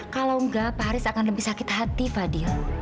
kalau enggak pak haris akan lebih sakit hati fadil